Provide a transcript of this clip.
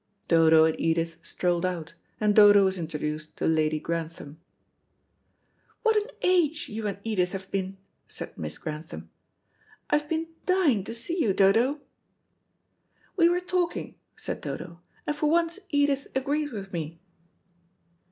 Dodo and Edith strolled out, and Dodo was introduced to Lady Grantham. "What an age you and Edith have been," said Miss Grantham. "I have been dying to see you, Dodo." "We were talking," said Dodo, "and for once Edith agreed with me."